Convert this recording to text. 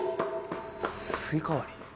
スイカ割り？